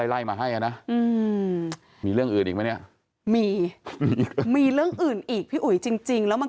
ไล่มาให้อ่ะนะมีเรื่องอื่นอีกไหมเนี่ยมีมีเรื่องอื่นอีกพี่อุ๋ยจริงแล้วมัน